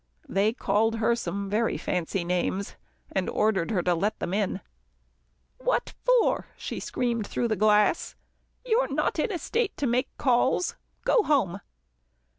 They called her some very fancy names, and ordered her to let them in. "What for?" she screamed through the glass. "You're not in a state to make calls. Go home."